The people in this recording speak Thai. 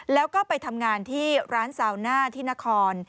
แล้วก็ไปทำงานที่ร้านซาวน่าที่นคร